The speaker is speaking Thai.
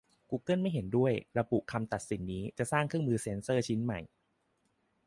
กูเกิลไม่เห็นด้วย ระบุคำตัดสินนี้จะสร้างเครื่องมือเซ็นเซอร์ชิ้นใหม่